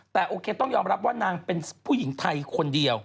แต่โอเคต้องยอมรับว่านางเป็นผู้หญิงไทยคนเดียว